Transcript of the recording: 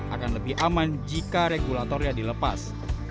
akan lebih aman jika regulatornya dilepas